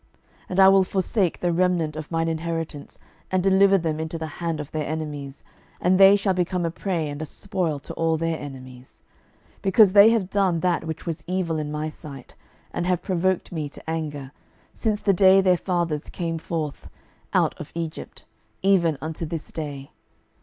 12:021:014 And I will forsake the remnant of mine inheritance, and deliver them into the hand of their enemies; and they shall become a prey and a spoil to all their enemies; 12:021:015 Because they have done that which was evil in my sight, and have provoked me to anger, since the day their fathers came forth out of Egypt, even unto this day.